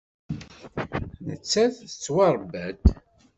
Nettat tettwaṛebba-d.